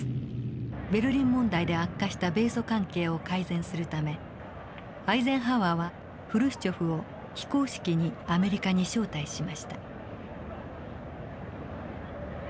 ベルリン問題で悪化した米ソ関係を改善するためアイゼンハワーはフルシチョフを非公式にアメリカに招待しました。